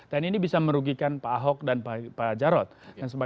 dan ini bisa merugikan pak ahok dan pak jarod